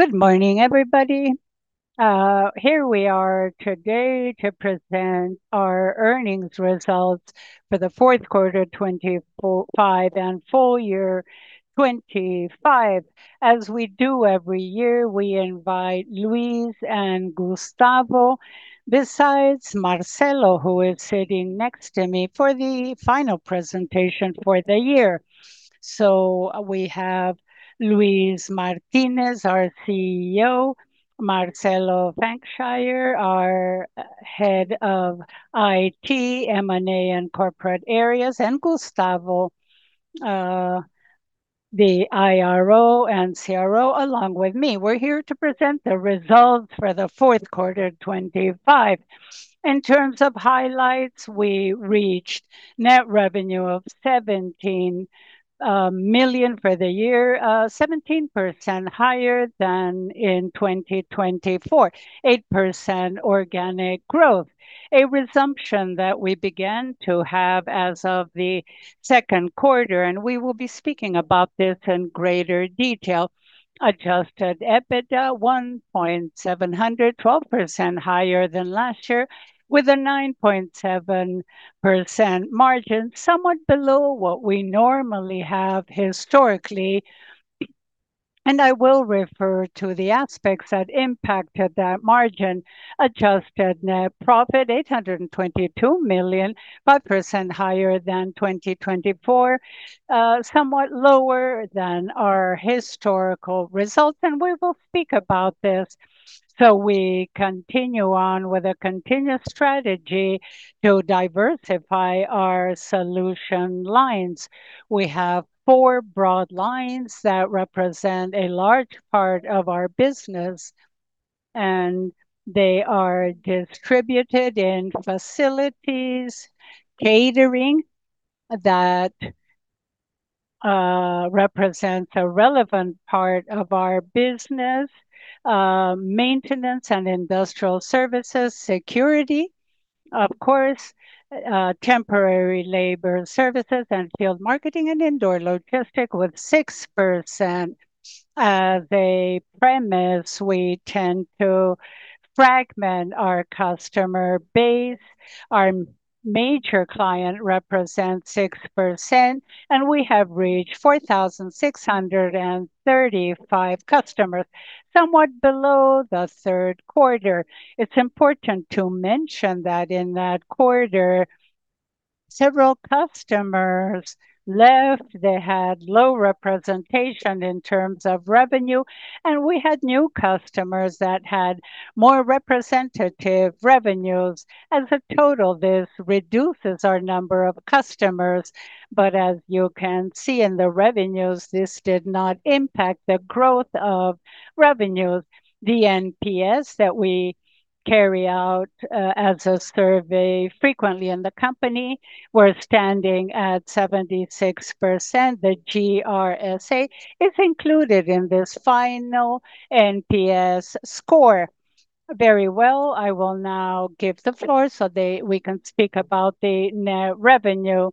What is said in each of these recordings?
Good morning, everybody. Here we are today to present our earnings results for the fourth quarter 2024-2025 and full year 2025. As we do every year, we invite Luis and Gustavo, besides Marcelo, who is sitting next to me, for the final presentation for the year. We have Luis Martinez, our CEO, Marcelo Hampshire, our Head of IT, M&A and corporate areas, and Gustavo, the IRO and CRO, along with me. We're here to present the results for the fourth quarter 2025. In terms of highlights, we reached net revenue of 17 million for the year, 17% higher than in 2024, 8% organic growth. A resumption that we began to have as of the second quarter, and we will be speaking about this in greater detail. Adjusted EBITDA, 1.7 billion, 12% higher than last year, with a 9.7% margin, somewhat below what we normally have historically, and I will refer to the aspects that impacted that margin. Adjusted net profit, 822 million, 5% higher than 2024, somewhat lower than our historical results, and we will speak about this. We continue on with a continuous strategy to diversify our solution lines. We have four broad lines that represent a large part of our business, and they are distributed in facilities, catering that represents a relevant part of our business, maintenance and industrial services, security, of course, temporary labor services, and field marketing and indoor logistic with 6%. As a premise, we tend to fragment our customer base. Our major client represents 6%, and we have reached 4,635 customers, somewhat below the third quarter. It's important to mention that in that quarter, several customers left. They had low representation in terms of revenue, and we had new customers that had more representative revenues. As a total, this reduces our number of customers, but as you can see in the revenues, this did not impact the growth of revenues. The NPS that we carry out as a survey frequently in the company, we're standing at 76%. The GRSA is included in this final NPS score. Very well. I will now give the floor so we can speak about the net revenue.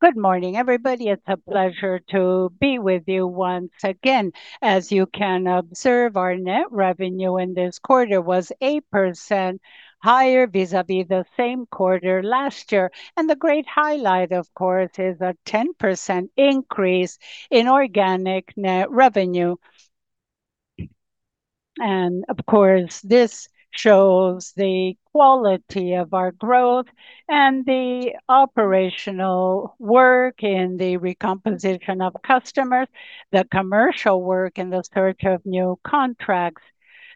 Good morning, everybody. It's a pleasure to be with you once again. As you can observe, our net revenue in this quarter was 8% higher vis-à-vis the same quarter last year. The great highlight, of course, is a 10% increase in organic net revenue. Of course, this shows the quality of our growth and the operational work in the recomposition of customers, the commercial work in the search of new contracts.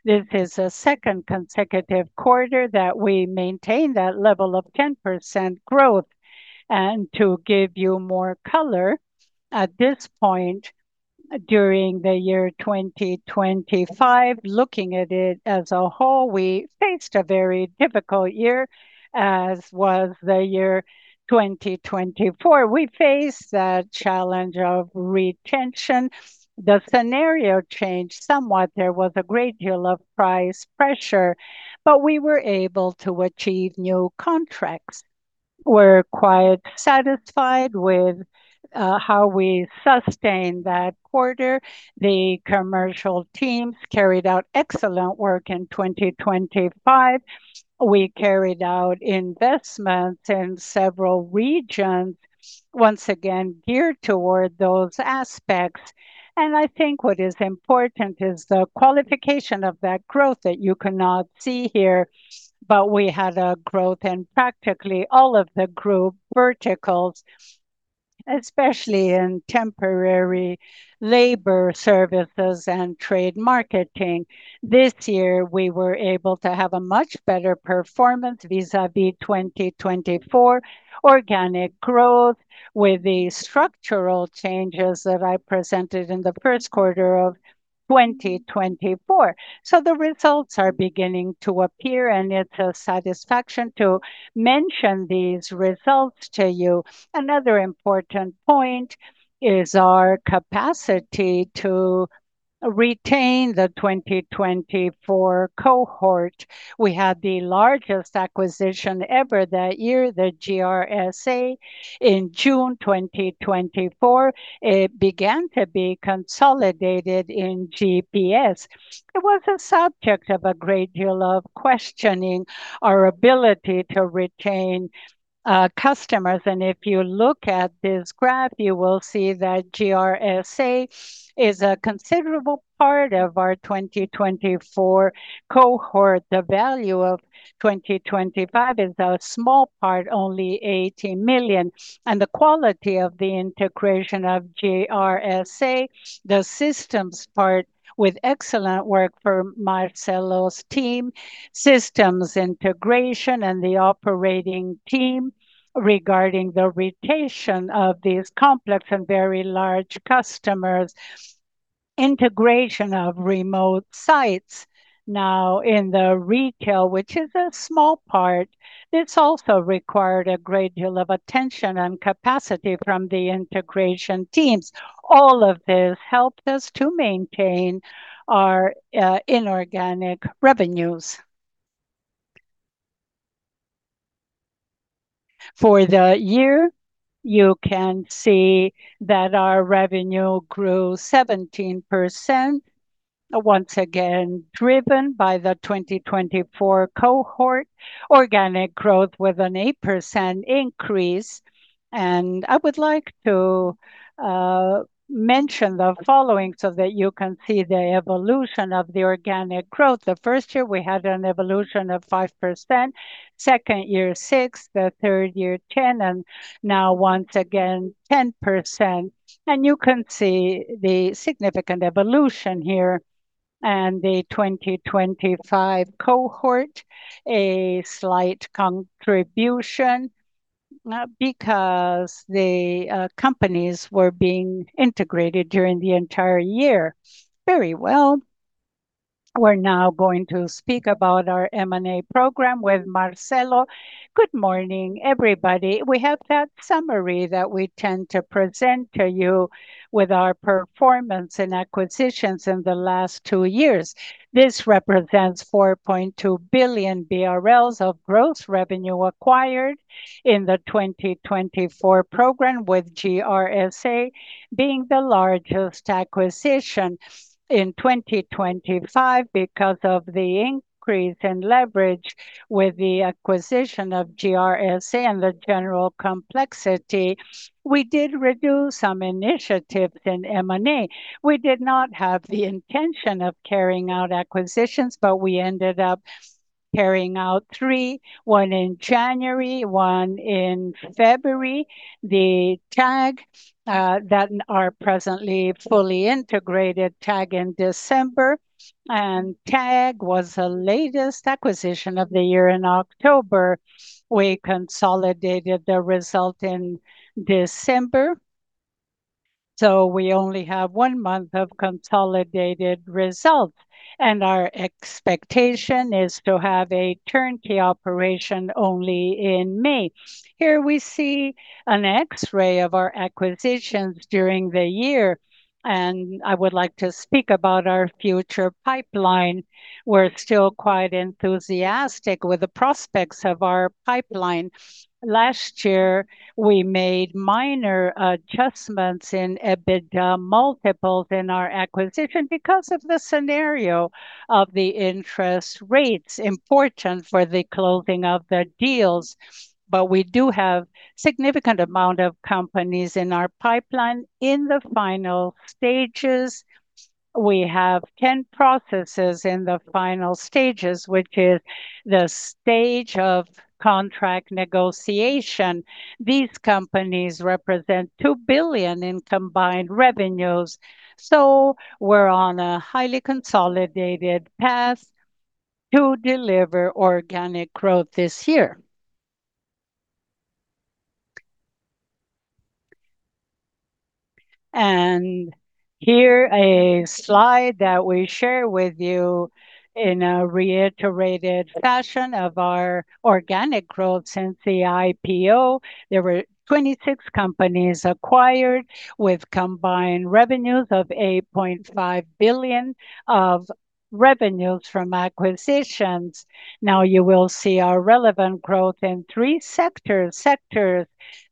This is a second consecutive quarter that we maintain that level of 10% growth. To give you more color, at this point during the year 2025, looking at it as a whole, we faced a very difficult year, as was the year 2024. We faced the challenge of retention. The scenario changed somewhat. There was a great deal of price pressure, but we were able to achieve new contracts. We're quite satisfied with how we sustained that quarter. The commercial team carried out excellent work in 2025. We carried out investments in several regions, once again geared toward those aspects. I think what is important is the qualification of that growth that you cannot see here, but we had a growth in practically all of the group verticals, especially in temporary labor services and trade marketing. This year, we were able to have a much better performance vis-à-vis 2024 organic growth with the structural changes that I presented in the first quarter of 2024. The results are beginning to appear, and it's a satisfaction to mention these results to you. Another important point is our capacity to retain the 2024 cohort. We had the largest acquisition ever that year, the GRSA. In June 2024, it began to be consolidated in GPS. It was a subject of a great deal of questioning our ability to retain customers. If you look at this graph, you will see that GRSA is a considerable part of our 2024 cohort. The value of 2025 is a small part, only 18 million. The quality of the integration of GRSA, the systems part with excellent work from Marcelo's team, systems integration and the operating team regarding the rotation of these complex and very large customers. Integration of remote sites now in the retail, which is a small part. It's also required a great deal of attention and capacity from the integration teams. All of this helped us to maintain our inorganic revenues. For the year, you can see that our revenue grew 17%, once again driven by the 2024 cohort. Organic growth with an 8% increase. I would like to mention the following so that you can see the evolution of the organic growth. The first year, we had an evolution of 5%, second year, six, the third year, 10, now once again, 10%. You can see the significant evolution here. The 2025 cohort, a slight contribution, because the companies were being integrated during the entire year. Very well. We're now going to speak about our M&A program with Marcelo. Good morning, everybody. We have that summary that we tend to present to you with our performance and acquisitions in the last two years. This represents 4.2 billion BRL of gross revenue acquired in the 2024 program, with GRSA being the largest acquisition. In 2025, because of the increase in leverage with the acquisition of GRSA and the general complexity, we did reduce some initiatives in M&A. We did not have the intention of carrying out acquisitions, but we ended up carrying out three, one in January, one in February. The Tagg that are presently fully integrated, Tagg in December. Tagg was the latest acquisition of the year in October. We consolidated the result in December. We only have one month of consolidated results. Our expectation is to have a turnkey operation only in May. Here we see an X-ray of our acquisitions during the year, and I would like to speak about our future pipeline. We're still quite enthusiastic with the prospects of our pipeline. Last year, we made minor adjustments in EBITDA multiples in our acquisition because of the scenario of the interest rates important for the closing of the deals. We do have significant amount of companies in our pipeline in the final stages. We have 10 processes in the final stages, which is the stage of contract negotiation. These companies represent 2 billion in combined revenues. We're on a highly consolidated path to deliver organic growth this year. Here a slide that we share with you in a reiterated fashion of our organic growth since the IPO. There were 26 companies acquired with combined revenues of 8.5 billion of revenues from acquisitions. You will see our relevant growth in three sectors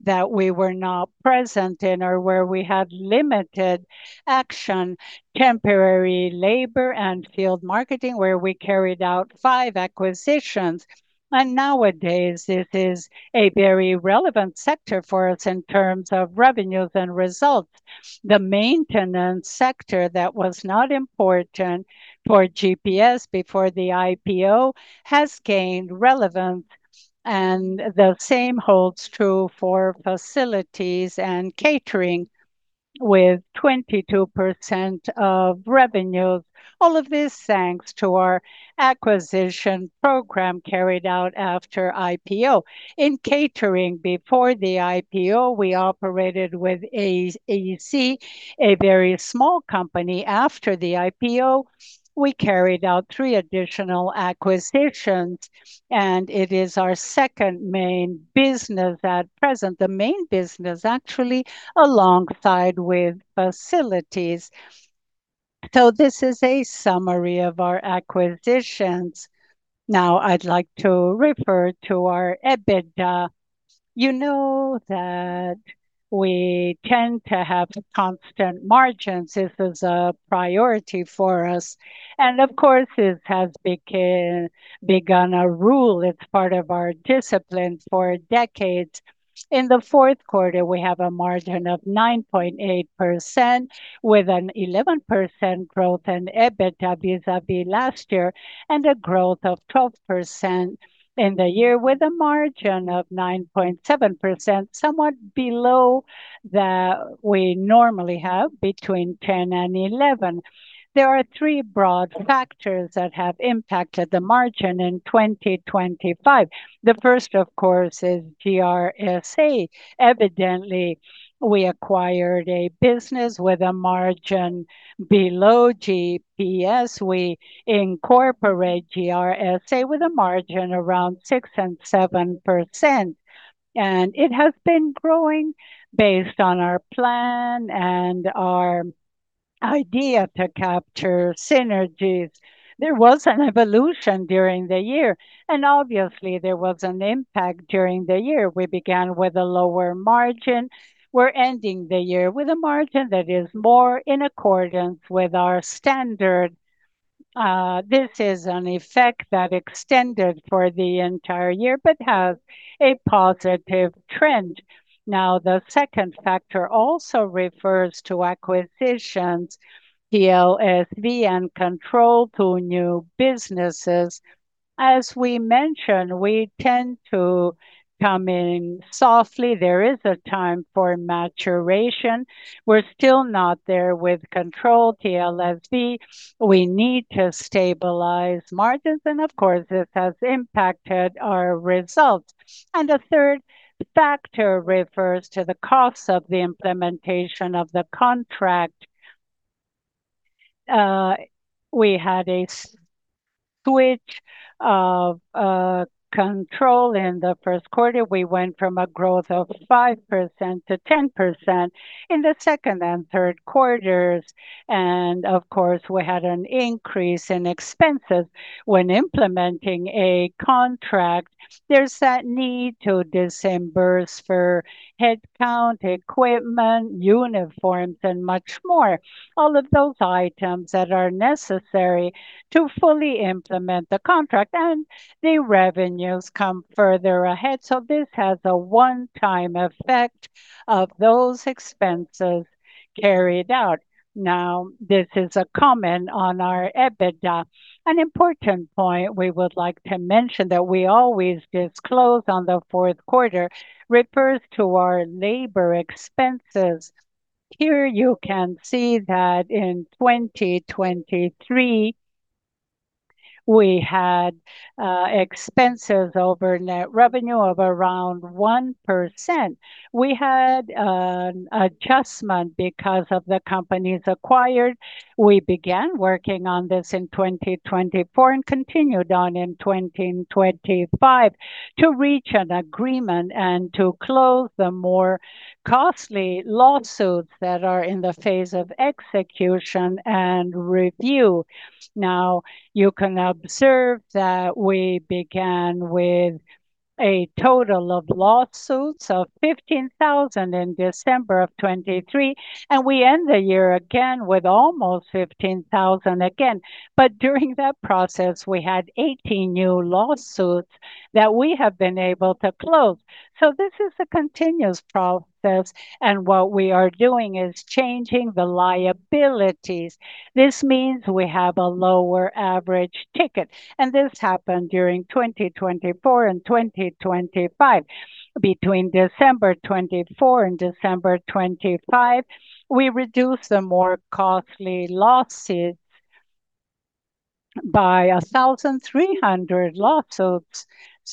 that we were not present in or where we had limited action, temporary labor and field marketing, where we carried out 5 acquisitions. Nowadays it is a very relevant sector for us in terms of revenues and results. The maintenance sector that was not important for GPS before the IPO has gained relevance, and the same holds true for facilities and catering with 22% of revenues. All of this thanks to our acquisition program carried out after IPO. In catering before the IPO, we operated with AC, a very small company. After the IPO, we carried out three additional acquisitions, and it is our second main business at present. The main business actually alongside with facilities. This is a summary of our acquisitions. Now I'd like to refer to our EBITDA. You know that we tend to have constant margins. This is a priority for us. Of course, this has begun a rule. It's part of our discipline for decades. In the fourth quarter, we have a margin of 9.8% with an 11% growth in EBITDA vis-à-vis last year and a growth of 12% in the year with a margin of 9.7%, somewhat below that we normally have between 10 and 11. There are three broad factors that have impacted the margin in 2025. The first, of course, is GRSA. Evidently, we acquired a business with a margin below GPS. We incorporate GRSA with a margin around 6% and 7%, and it has been growing based on our plan and our idea to capture synergies. There was an evolution during the year, and obviously there was an impact during the year. We began with a lower margin. We're ending the year with a margin that is more in accordance with our standard. This is an effect that extended for the entire year but has a positive trend. The second factor also refers to acquisitions, TLSV, and Control to new businesses. As we mentioned, we tend to come in softly. There is a time for maturation. We're still not there with Control TLSV. We need to stabilize margins, and of course, this has impacted our results. The third factor refers to the costs of the implementation of the contract. We had a switch of Control in the first quarter. We went from a growth of 5% to 10% in the second and third quarters. Of course, we had an increase in expenses. When implementing a contract, there's that need to disburse for headcount, equipment, uniforms, and much more, all of those items that are necessary to fully implement the contract. The revenues come further ahead. This has a one-time effect of those expenses carried out. This is a comment on our EBITDA. An important point we would like to mention that we always disclose on the fourth quarter refers to our labor expenses. Here you can see that in 2023, we had expenses over net revenue of around 1%. We had an adjustment because of the companies acquired. We began working on this in 2024 and continued on in 2025 to reach an agreement and to close the more costly lawsuits that are in the phase of execution and review. You can observe that we began with a total of lawsuits of 15,000 in December of 2023, and we end the year again with almost 15,000 again. During that process, we had 18 new lawsuits that we have been able to close. This is a continuous process, and what we are doing is changing the liabilities. This means we have a lower average ticket, and this happened during 2024 and 2025. Between December 2024 and December 2025, we reduced the more costly lawsuits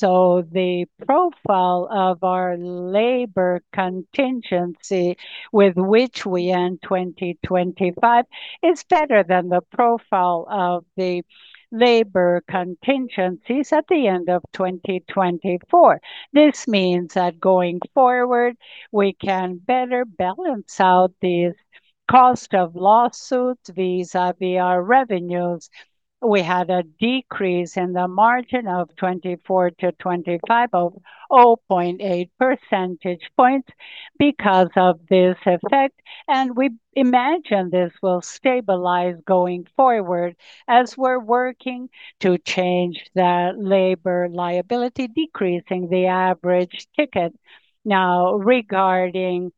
by 1,300 lawsuits. The profile of our labor contingency with which we end 2025 is better than the profile of the labor contingencies at the end of 2024. This means that going forward, we can better balance out the cost of lawsuits vis-à-vis our revenues. We had a decrease in the margin of 2024 to 2025 of 0.8 percentage points because of this effect. We imagine this will stabilize going forward as we're working to change the labor liability, decreasing the average ticket. Now, regarding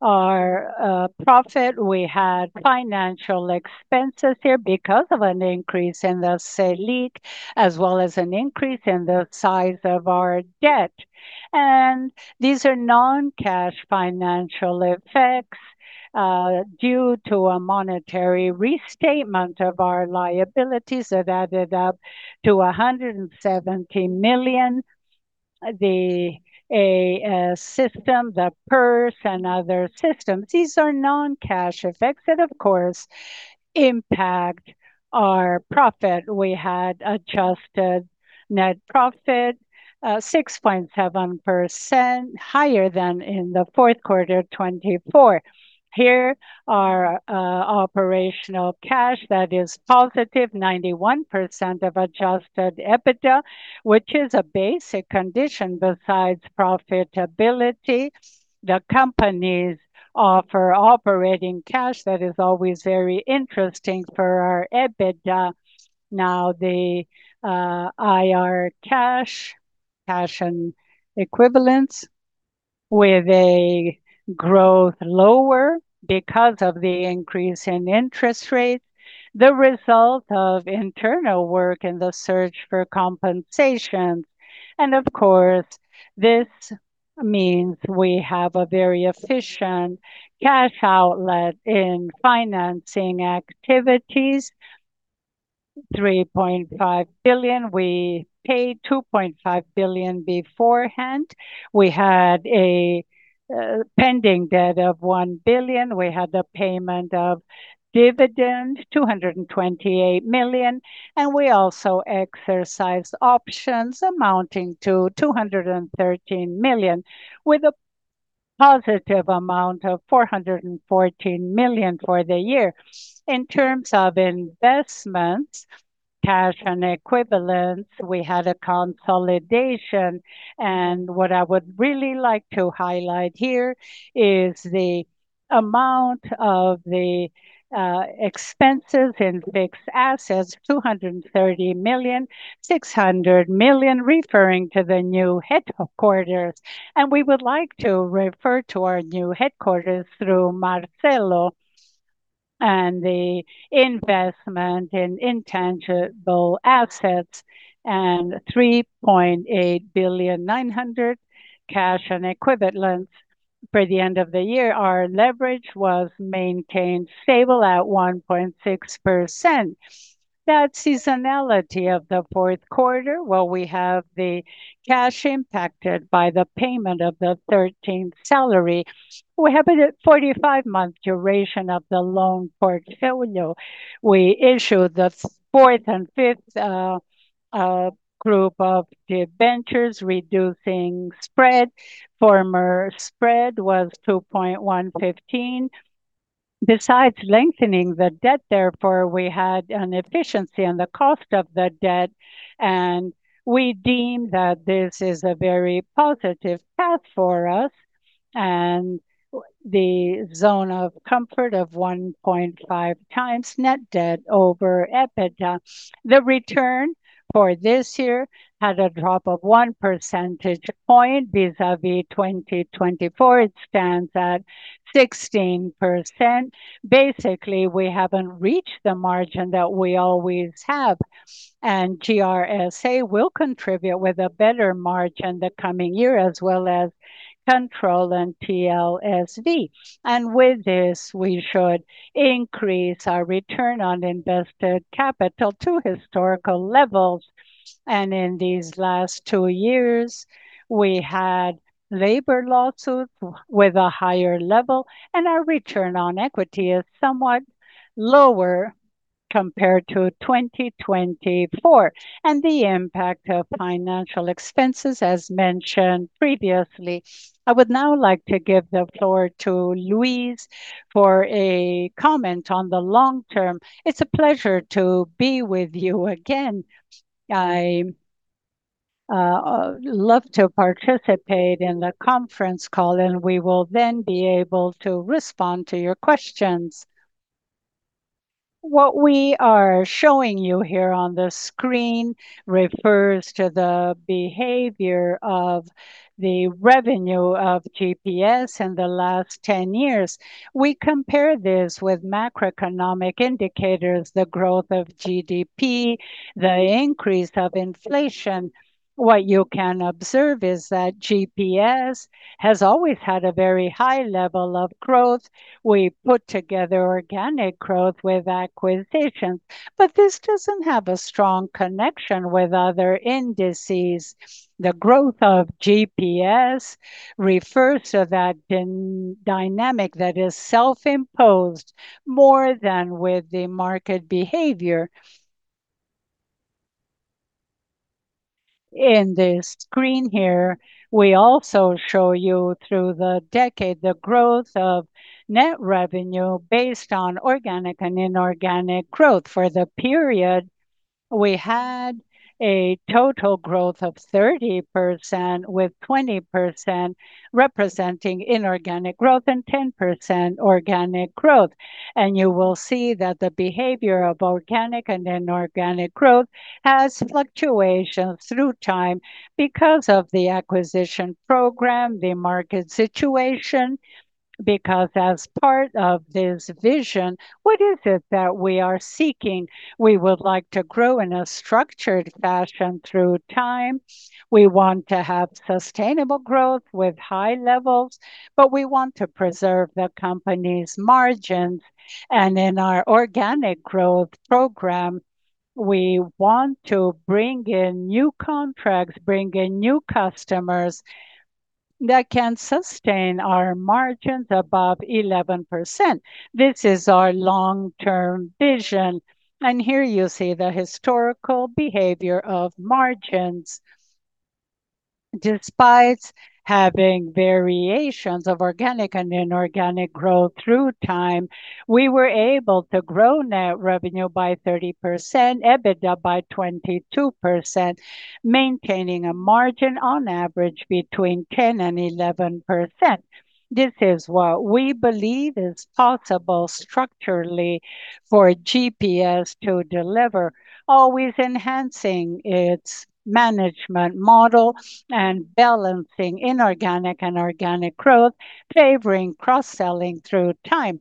our profit, we had financial expenses here because of an increase in the Selic, as well as an increase in the size of our debt. These are non-cash financial effects due to a monetary restatement of our liabilities that added up to 170 million. A system, the PERSE and other systems. These are non-cash effects that of course impact our profit. We had adjusted net profit, 6.7% higher than in the fourth quarter of 2024. Here are operational cash that is positive, 91% of Adjusted EBITDA, which is a basic condition besides profitability. The companies offer operating cash that is always very interesting for our EBITDA. Now the IR cash and equivalents with a growth lower because of the increase in interest rates, the result of internal work and the search for compensations. Of course, this means we have a very efficient cash outlet in financing activities, 3.5 billion. We paid 2.5 billion beforehand. We had a pending debt of 1 billion. We had the payment of dividend, 228 million, and we also exercised options amounting to 213 million with a positive amount of 414 million for the year. In terms of investments, cash and equivalents, we had a consolidation, and what I would really like to highlight here is the amount of the expenses in fixed assets, 230 million, 600 million referring to the new headquarters. We would like to refer to our new headquarters through Marcelo and the investment in intangible assets and 3.8 billion 900 cash and equivalents. For the end of the year, our leverage was maintained stable at 1.6%. The seasonality of the 4th quarter, well, we have the cash impacted by the payment of the 13th salary. We have a 45-month duration of the loan portfolio. We issued the 4th and 5th group of debentures reducing spread. Former spread was 2.15. Lengthening the debt, therefore, we had an efficiency on the cost of the debt, and we deem that this is a very positive path for us and the zone of comfort of 1.5x net debt over EBITDA. The return for this year had a drop of 1 percentage point. Vis-a-vis 2024, it stands at 16%. Basically, we haven't reached the margin that we always have, and GRSA will contribute with a better margin the coming year as well as Control and TLSV. With this, we should increase our return on invested capital to historical levels. In these last two years, we had labor lawsuits with a higher level, and our return on equity is somewhat lower compared to 2024. The impact of financial expenses, as mentioned previously. I would now like to give the floor to Luis for a comment on the long term. It's a pleasure to be with you again. I love to participate in the conference call, and we will then be able to respond to your questions. What we are showing you here on the screen refers to the behavior of the revenue of GPS in the last 10 years. We compare this with macroeconomic indicators, the growth of GDP, the increase of inflation. What you can observe is that GPS has always had a very high level of growth. We put together organic growth with acquisitions, but this doesn't have a strong connection with other indices. The growth of GPS refers to that dynamic that is self-imposed more than with the market behavior. In this screen here, we also show you through the decade the growth of net revenue based on organic and inorganic growth. For the period, we had a total growth of 30%, with 20% representing inorganic growth and 10% organic growth. You will see that the behavior of organic and inorganic growth has fluctuations through time because of the acquisition program, the market situation. Because as part of this vision, what is it that we are seeking? We would like to grow in a structured fashion through time. We want to have sustainable growth with high levels, but we want to preserve the company's margin. In our organic growth program, we want to bring in new contracts, bring in new customers that can sustain our margins above 11%. This is our long-term vision. Here you see the historical behavior of margins. Despite having variations of organic and inorganic growth through time, we were able to grow net revenue by 30%, EBITDA by 22%, maintaining a margin on average between 10% and 11%. This is what we believe is possible structurally for GPS to deliver, always enhancing its management model and balancing inorganic and organic growth, favoring cross-selling through time.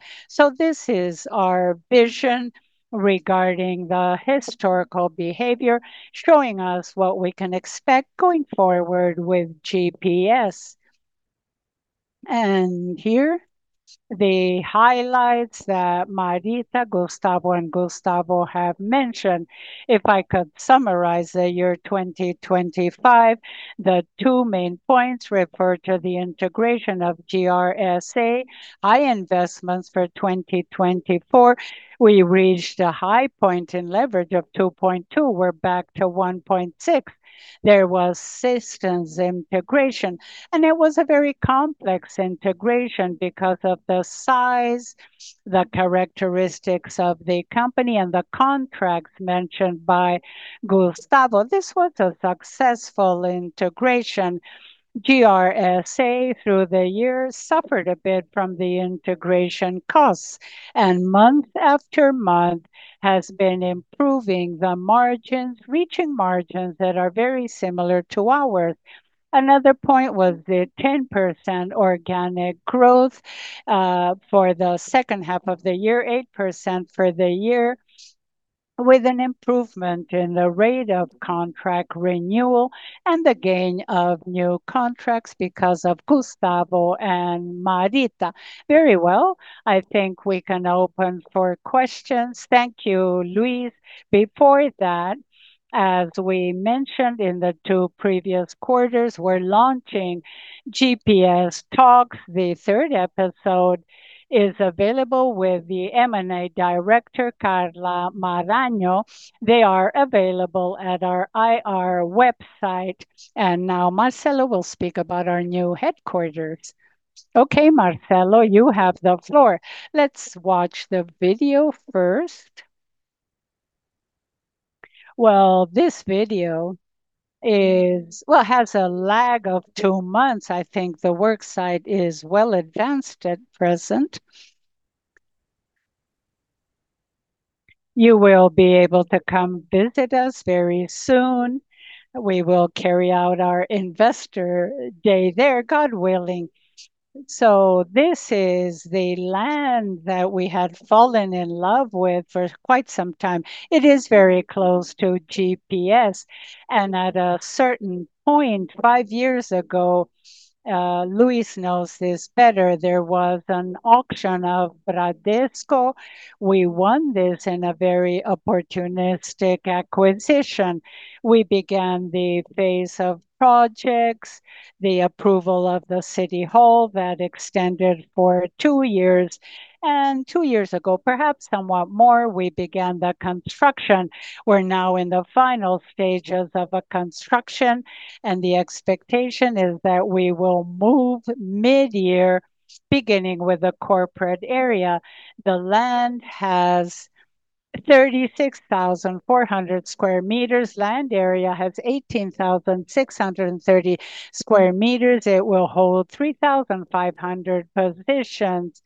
This is our vision regarding the historical behavior, showing us what we can expect going forward with GPS. Here the highlights that Marita, Gustavo, and Gustavo have mentioned. If I could summarize the year 2025, the two main points refer to the integration of GRSA. High investments for 2024. We reached a high point in leverage of 2.2. We're back to 1.6. There was systems integration, and it was a very complex integration because of the size, the characteristics of the company, and the contracts mentioned by Gustavo. This was a successful integration. GRSA, through the years, suffered a bit from the integration costs, month after month has been improving the margins, reaching margins that are very similar to ours. Another point was the 10% organic growth for the second half of the year, 8% for the year, with an improvement in the rate of contract renewal and the gain of new contracts because of Gustavo and Marita. Very well. I think we can open for questions. Thank you, Luis. Before that, as we mentioned in the two previous quarters, we're launching GPS Talks. The third episode is available with the M&A Director, Carla Maranhão. They are available at our IR website. Now Marcelo will speak about our new headquarters. Okay, Marcelo, you have the floor. Let's watch the video first. Well, this video is, well, has a lag of two months. I think the work site is well advanced at present. You will be able to come visit us very soon. We will carry out our Investor Day there, God willing. This is the land that we had fallen in love with for quite some time. It is very close to GPS. At a certain point five years ago, Luis knows this better, there was an auction of Bradesco. We won this in a very opportunistic acquisition. We began the phase of projects, the approval of the city hall that extended for two years. Two years ago, perhaps somewhat more, we began the construction. We're now in the final stages of a construction, and the expectation is that we will move mid-year, beginning with the corporate area. The land has 36,400 sqm. Land area has 18,630 sqm. It will hold 3,500 positions.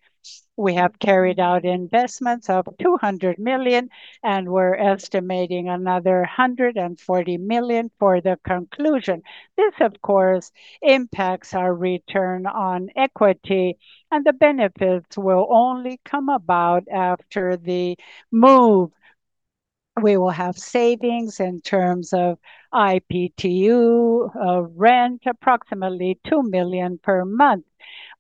We have carried out investments of 200 million, and we're estimating another 140 million for the conclusion. This, of course, impacts our return on equity, and the benefits will only come about after the move. We will have savings in terms of IPTU, rent, approximately 2 million per month.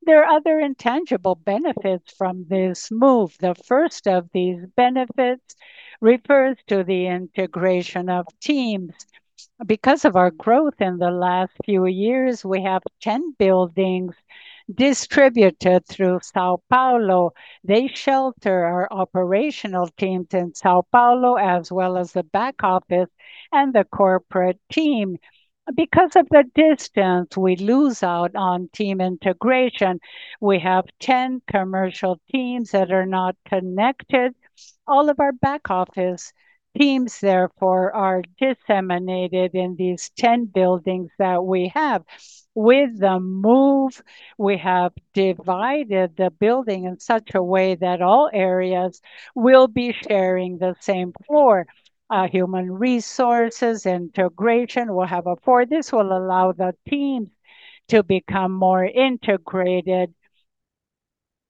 There are other intangible benefits from this move. The first of these benefits refers to the integration of teams. Because of our growth in the last few years, we have 10 buildings distributed through São Paulo. They shelter our operational teams in São Paulo, as well as the back office and the corporate team. Because of the distance, we lose out on team integration. We have 10 commercial teams that are not connected. All of our back office teams, therefore, are disseminated in these 10 buildings that we have. With the move, we have divided the building in such a way that all areas will be sharing the same floor. Our human resources integration will have a floor. This will allow the teams to become more integrated.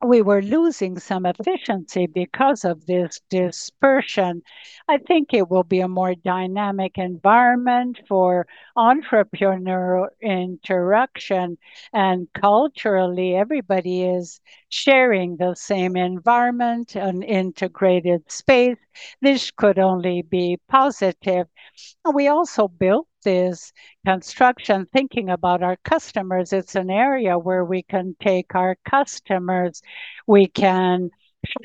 We were losing some efficiency because of this dispersion. I think it will be a more dynamic environment for entrepreneurial interaction, and culturally everybody is sharing the same environment and integrated space. This could only be positive. We also built this construction thinking about our customers. It's an area where we can take our customers. We can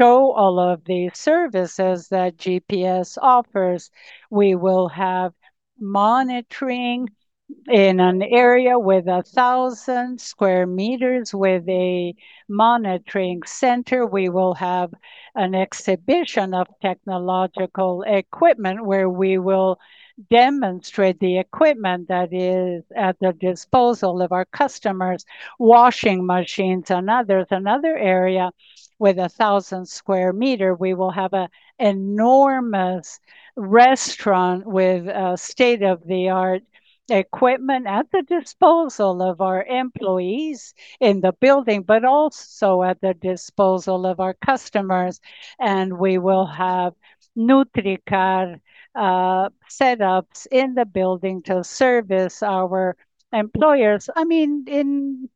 show all of the services that GPS offers. We will have monitoring in an area with 1,000 sqm with a monitoring center. We will have an exhibition of technological equipment where we will demonstrate the equipment that is at the disposal of our customers, washing machines and others. Another area with 1,000 sqm, we will have a enormous restaurant with state-of-the-art equipment at the disposal of our employees in the building, but also at the disposal of our customers. We will have Nutricar setups in the building to service our employers. I mean,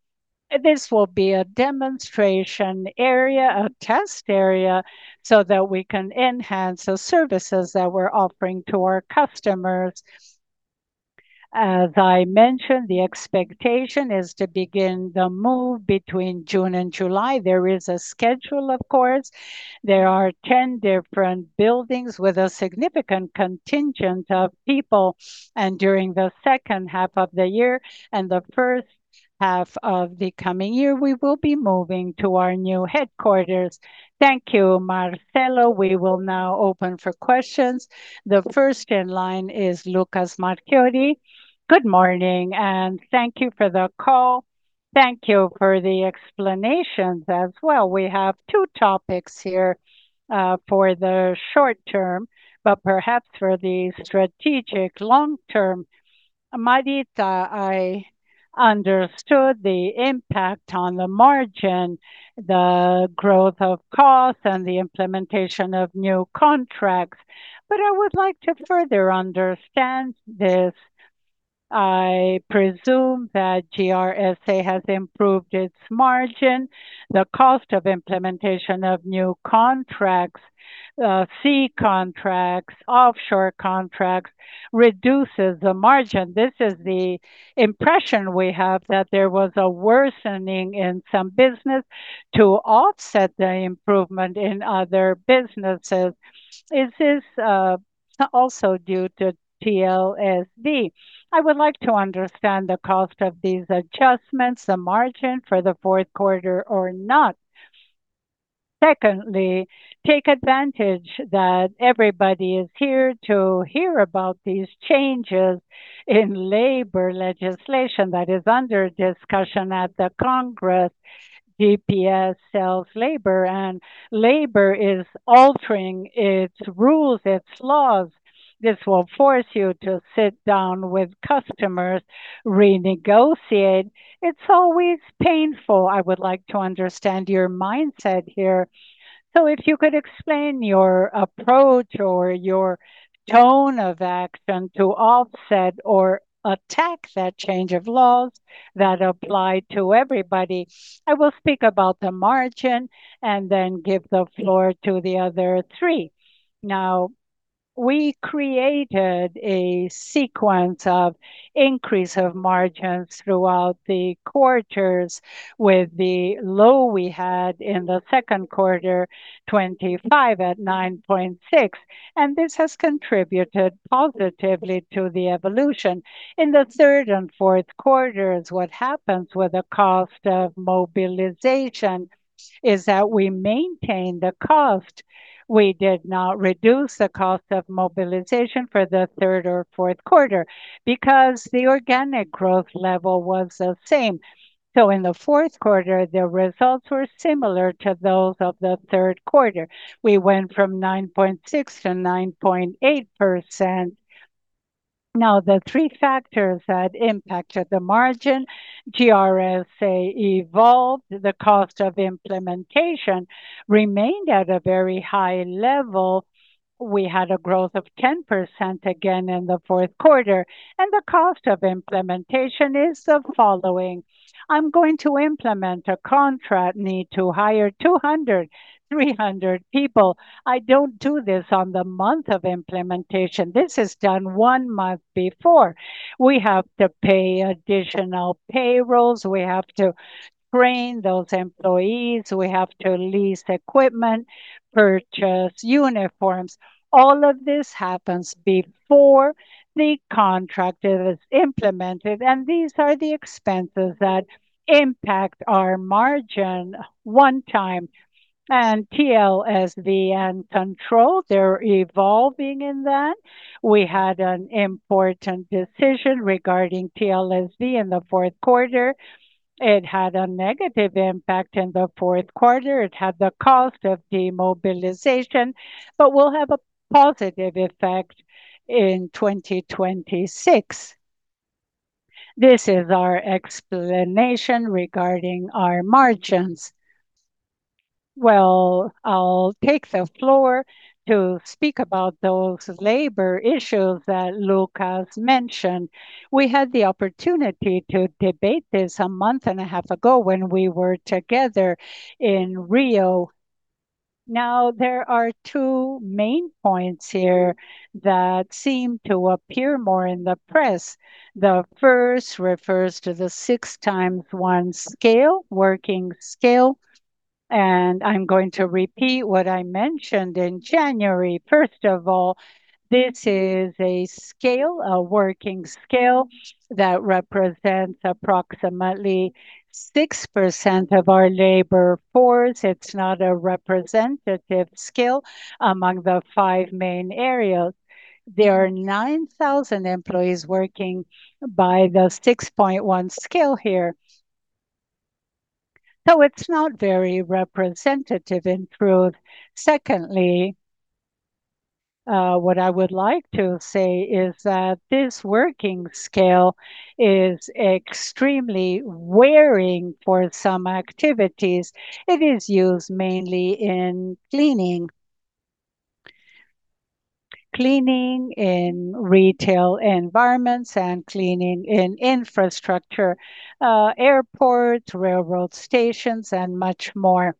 this will be a demonstration area, a test area, so that we can enhance the services that we're offering to our customers. As I mentioned, the expectation is to begin the move between June and July. There is a schedule, of course. There are 10 different buildings with a significant contingent of people. During the second half of the year and the first half of the coming year, we will be moving to our new headquarters. Thank you, Marcelo. We will now open for questions. The first in line is Lucas Marquiori. Good morning. Thank you for the call. Thank you for the explanations as well. We have two topics here for the short term, perhaps for the strategic long term. Marita, I understood the impact on the margin, the growth of costs, and the implementation of new contracts. I would like to further understand this. I presume that GRSA has improved its margin. The cost of implementation of new contracts, sea contracts, offshore contracts, reduces the margin. This is the impression we have that there was a worsening in some business to offset the improvement in other businesses. Is this also due to TLSV? I would like to understand the cost of these adjustments, the margin for the fourth quarter or not. Secondly, take advantage that everybody is here to hear about these changes in labor legislation that is under discussion at the Congress. GPS sells labor. Labor is altering its rules, its laws. This will force you to sit down with customers, renegotiate. It's always painful. I would like to understand your mindset here. If you could explain your approach or your tone of action to offset or attack that change of laws that apply to everybody. I will speak about the margin, then give the floor to the other three. We created a sequence of increase of margins throughout the quarters with the low we had in the second quarter, 25 at 9.6%. This has contributed positively to the evolution. In the third and fourth quarters, what happens with the cost of mobilization is that we maintain the cost. We did not reduce the cost of mobilization for the third or fourth quarter because the organic growth level was the same. In the fourth quarter, the results were similar to those of the third quarter. We went from 9.6% to 9.8%. The three factors that impacted the margin, GRSA evolved, the cost of implementation remained at a very high level. We had a growth of 10% again in the fourth quarter, and the cost of implementation is the following. I'm going to implement a contract, need to hire 200, 300 people. I don't do this on the month of implementation. This is done one month before. We have to pay additional payrolls. We have to train those employees. We have to lease equipment, purchase uniforms. All of this happens before the contract is implemented, and these are the expenses that impact our margin one time. TLSV and Control, they're evolving in that. We had an important decision regarding TLSV in the fourth quarter. It had a negative impact in the fourth quarter. It had the cost of demobilization but will have a positive effect in 2026. This is our explanation regarding our margins. Well, I'll take the floor to speak about those labor issues that Lucas mentioned. We had the opportunity to debate this a month and a half ago when we were together in Rio. Now, there are two main points here that seem to appear more in the press. The first refers to the 6x1 scale, working scale, and I'm going to repeat what I mentioned in January. First of all, this is a scale, a working scale, that represents approximately 6% of our labor force. It's not a representative scale among the five main areas. There are 9,000 employees working by the 6.1 scale here. It's not very representative in truth. Secondly, what I would like to say is that this working scale is extremely wearing for some activities. It is used mainly in cleaning. Cleaning in retail environments and cleaning in infrastructure, airports, railroad stations, and much more.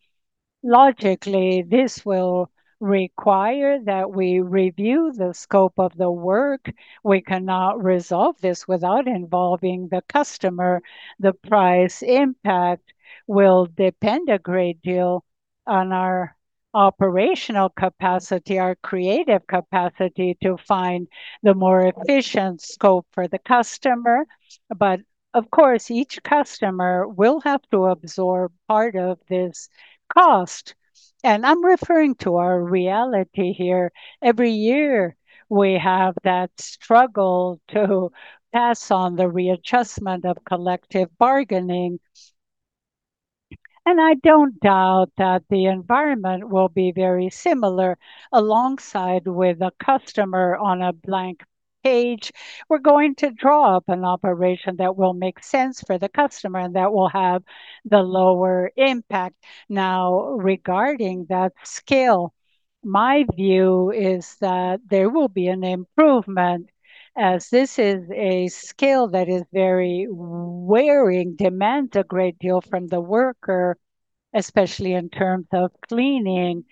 Logically, this will require that we review the scope of the work. We cannot resolve this without involving the customer. The price impact will depend a great deal on our operational capacity, our creative capacity to find the more efficient scope for the customer. Of course, each customer will have to absorb part of this cost. I'm referring to our reality here. Every year we have that struggle to pass on the readjustment of collective bargaining. I don't doubt that the environment will be very similar. Alongside with a customer on a blank page, we're going to draw up an operation that will make sense for the customer and that will have the lower impact. Regarding that scale, my view is that there will be an improvement as this is a scale that is very wearing, demands a great deal from the worker, especially in terms of cleaning.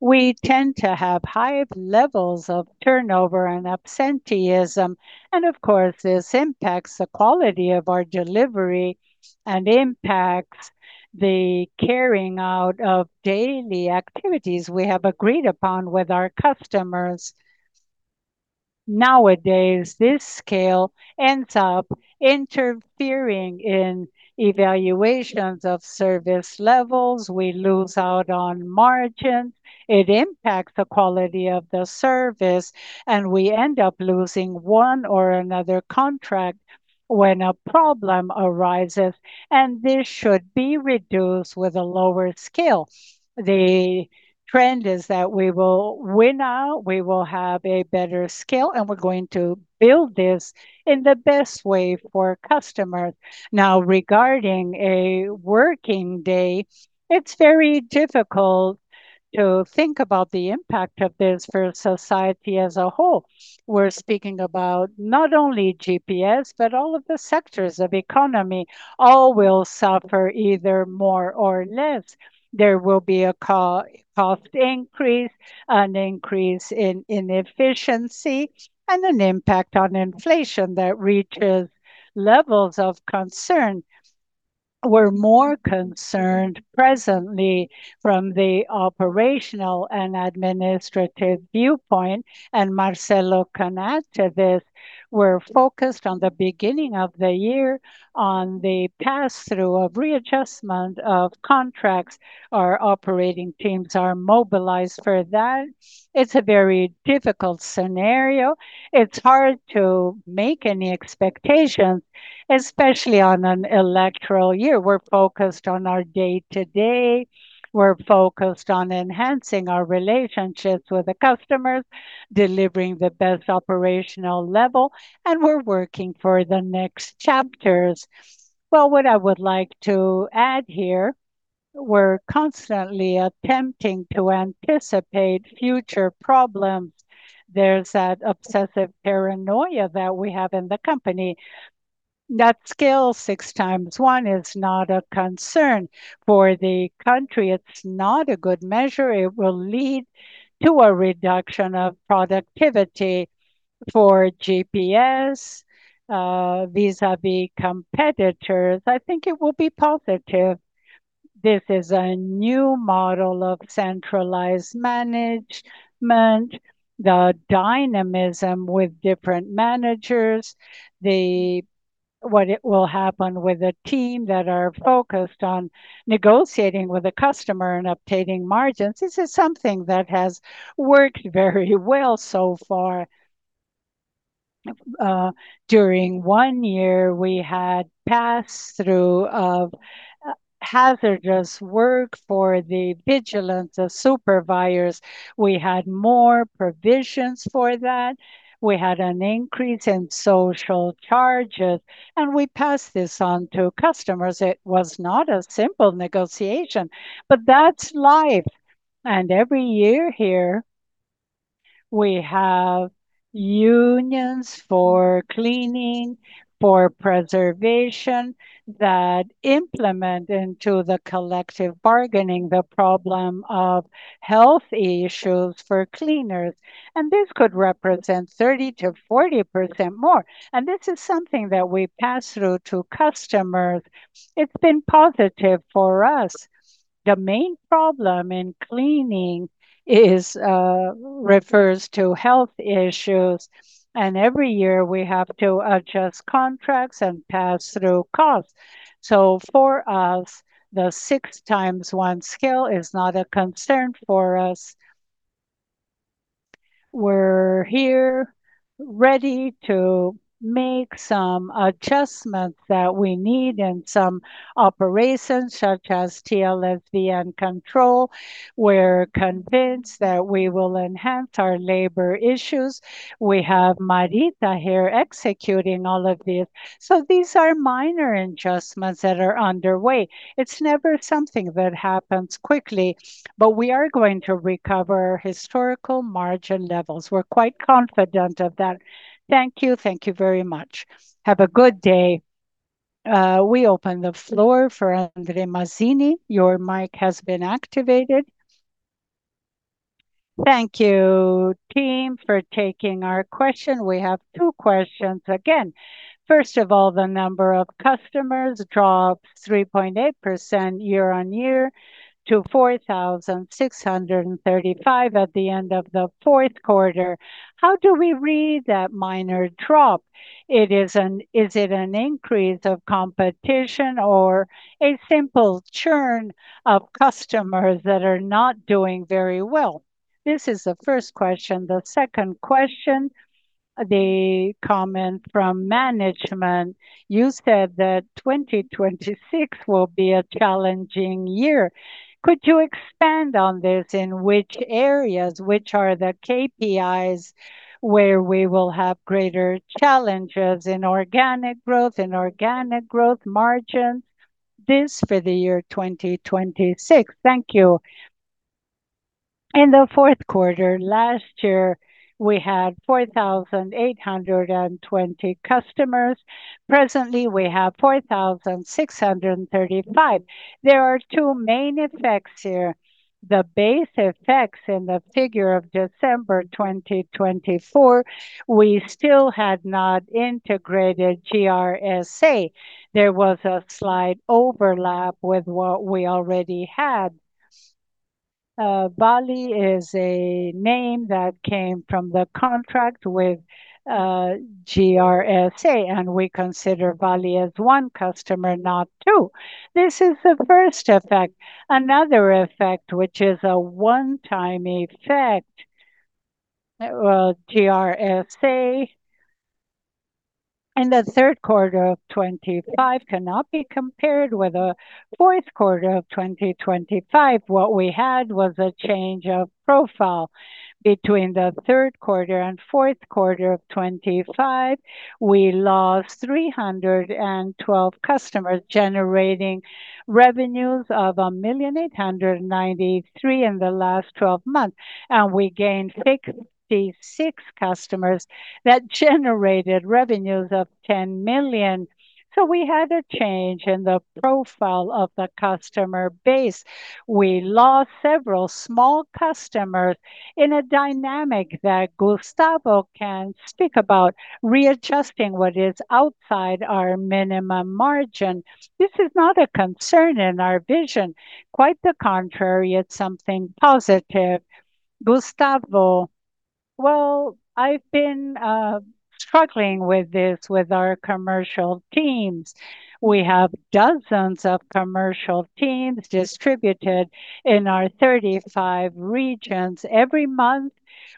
We tend to have high levels of turnover and absenteeism, and of course, this impacts the quality of our delivery and impacts the carrying out of daily activities we have agreed upon with our customers. Nowadays, this scale ends up interfering in evaluations of service levels. We lose out on margins. It impacts the quality of the service, and we end up losing one or another contract when a problem arises, and this should be reduced with a lower scale. The trend is that we will win out, we will have a better scale, and we're going to build this in the best way for customers. Regarding a working day, it's very difficult to think about the impact of this for society as a whole. We're speaking about not only GPS, but all of the sectors of economy. All will suffer either more or less. There will be a co-cost increase, an increase in inefficiency, and an impact on inflation that reaches levels of concern. We're more concerned presently from the operational and administrative viewpoint, and Marcelo can add to this. We're focused on the beginning of the year on the pass-through of readjustment of contracts. Our operating teams are mobilized for that. It's a very difficult scenario. It's hard to make any expectations, especially on an electoral year. We're focused on our day-to-day. We're focused on enhancing our relationships with the customers, delivering the best operational level, and we're working for the next chapters. What I would like to add here, we're constantly attempting to anticipate future problems. There's that obsessive paranoia that we have in the company. That 6x1 work schedule is not a concern for the country. It's not a good measure. It will lead to a reduction of productivity for GPS vis-à-vis competitors. I think it will be positive. This is a new model of centralized management, the dynamism with different managers. What it will happen with a team that are focused on negotiating with a customer and obtaining margins. This is something that has worked very well so far. During one year, we had pass-through of Hazardous work for the vigilance of supervisors. We had more provisions for that. We had an increase in social charges, we passed this on to customers. It was not a simple negotiation, but that's life. Every year here, we have unions for cleaning, for preservation that implement into the collective bargaining the problem of health issues for cleaners, and this could represent 30%-40% more. This is something that we pass through to customers. It's been positive for us. The main problem in cleaning is, refers to health issues, and every year we have to adjust contracts and pass through costs. For us, the 6x1 scale is not a concern for us. We're here ready to make some adjustments that we need in some operations, such as TLSV and control. We're convinced that we will enhance our labor issues. We have Marita here executing all of this. These are minor adjustments that are underway. It's never something that happens quickly, but we are going to recover historical margin levels. We're quite confident of that. Thank you. Thank you very much. Have a good day. We open the floor for Andre Mazini. Your mic has been activated. Thank you, team, for taking our question. We have two questions. First of all, the number of customers dropped 3.8% year-over-year to 4,635 at the end of the fourth quarter. How do we read that minor drop? Is it an increase of competition or a simple churn of customers that are not doing very well? This is the first question. The second question, the comment from management. You said that 2026 will be a challenging year. Could you expand on this? In which areas, which are the KPIs where we will have greater challenges in organic growth, inorganic growth, margins? This for the year 2026. Thank you. In the fourth quarter last year, we had 4,820 customers. Presently, we have 4,635. There are two main effects here. The base effects in the figure of December 2024, we still had not integrated GRSA. There was a slight overlap with what we already had. Bali is a name that came from the contract with GRSA, and we consider Bali as one customer, not two. This is the first effect. Another effect, which is a one-time effect, GRSA in the third quarter of 2025 cannot be compared with the fourth quarter of 2025. What we had was a change of profile between the third quarter and fourth quarter of 2025. We lost 312 customers generating revenues of 1,893,000 in the last 12 months, and we gained 66 customers that generated revenues of 10 million. We had a change in the profile of the customer base. We lost several small customers in a dynamic that Gustavo can speak about, readjusting what is outside our minimum margin. This is not a concern in our vision. Quite the contrary, it's something positive. Gustavo. Well, I've been struggling with this with our commercial teams. We have dozens of commercial teams distributed in our 35 regions. Every month,